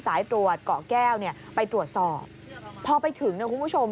สายตรวจเกาะแก้วเนี่ยไปตรวจสอบพอไปถึงเนี่ยคุณผู้ชม